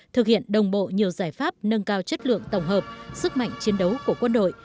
thực hiện đồng bộ nhiều giải pháp nâng cao chất lượng tổng hợp sức mạnh chiến đấu của quân đội